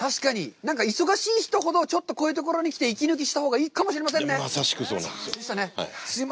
なんか忙しい人ほど、ちょっとこういうところに来て息抜きしたほうがいいかもしれませんね。